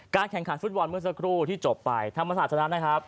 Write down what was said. แข่งขันฟุตบอลเมื่อสักครู่ที่จบไปธรรมศาสนั้นนะครับ